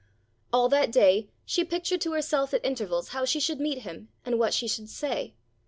All that day she pictured to herself at intervals how she should meet him and what she should say.